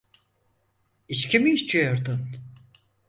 İçki mi içiyordun?